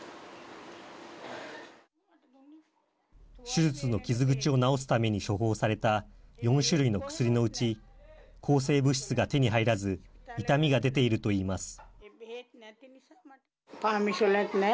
手術の傷口を治すために処方された４種類の薬のうち抗生物質が手に入らず痛みが出ているといいます。